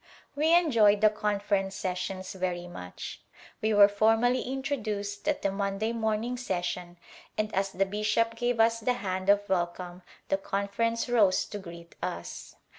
We enjoyed the conference sessions very much. We were formally introduced at the Monday morning session and as the bishop gave us the hand of welcome the conference rose to greet us.